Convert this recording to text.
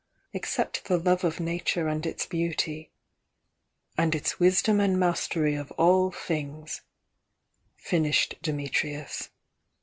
Ex cept the love of Nature and its beauty " "And its wisdom and mastery of all things," fin ished Dimitrius.